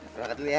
berangkat dulu ya